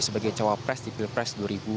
sebagai cowok pres di pilpres dua ribu sembilan belas